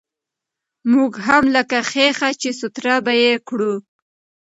موږ هم لکه ښيښه، چې سوتره به يې کړو.